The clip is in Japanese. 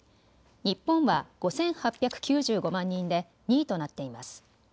日本は５８９５万人で２位となっています。